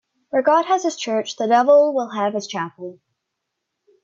Where God has his church, the devil will have his chapel